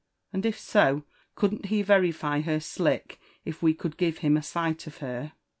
— And if so, couldn't ha y^ify her diok if ^ei oonld give him a sight of her